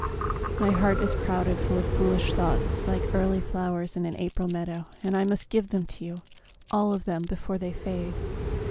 My heart is crowded full of foolish thoughts Like early flowers in an April meadow, And I must give them to you, all of them, Before they fade.